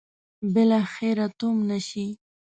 بالاخره تومنه شي.